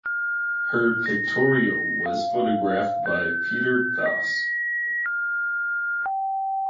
Her pictorial was photographed by Peter Basch.